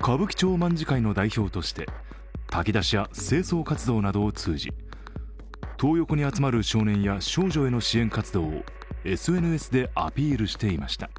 歌舞伎町卍会の代表として炊き出しや清掃活動などを通じトー横に集まる少年や少女への支援活動をＳＮＳでアピールしていました。